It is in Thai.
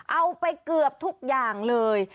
เอาไปเกือบทุกอย่างเลย